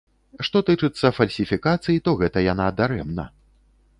Што тычыцца фальсіфікацый, то гэта яна дарэмна.